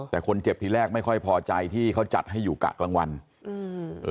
แต่คนเจ็บทีแรกไม่ค่อยพอใจที่เขาจัดให้อยู่กะกลางวันอืม